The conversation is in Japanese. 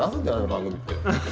番組って。